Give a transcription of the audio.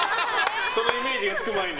そのイメージがつく前に。